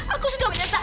aku sudah menyesal